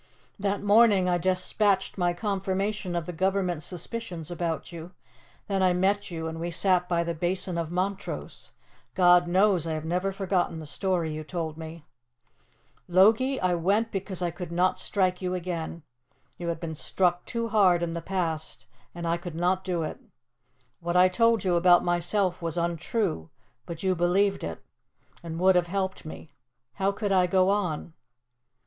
That morning I despatched my confirmation of the Government's suspicions about you. Then I met you and we sat by the Basin of Montrose. God knows I have never forgotten the story you told me. "Logie, I went because I could not strike you again. You had been struck too hard in the past, and I could not do it. What I told you about myself was untrue, but you believed it, and would have helped me. How could I go on?